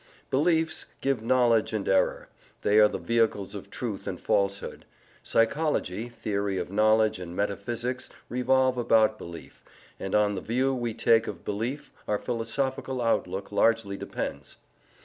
Beliefs give knowledge and error; they are the vehicles of truth and falsehood. Psychology, theory of knowledge and metaphysics revolve about belief, and on the view we take of belief our philosophical outlook largely depends.